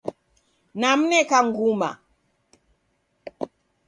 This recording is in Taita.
Namneka nguma